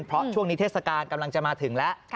เพราะช่วงนี้เทศกาลกำลังจะมาถึงแล้ว